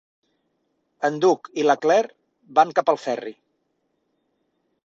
En Doug i la Claire van cap al ferri.